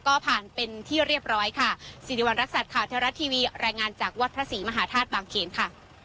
ก็ผ่านเป็นที่เรียบร้อยค่ะสิริวัณรักษัตริย์ข่าวเทวรัฐทีวีรายงานจากวัดพระศรีมหาธาตุบางเขนค่ะ